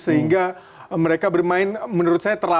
sehingga mereka bermain menurut saya terlalu